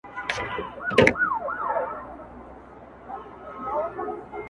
o چرگه معلومه نه، چرکوړي ئې اسمان ته و ختل.